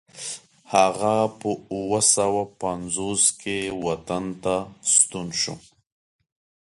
هغه په اوه سوه پنځوس کې وطن ته ستون شو.